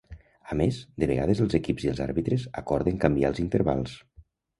A més, de vegades els equips i els àrbitres acorden canviar els intervals.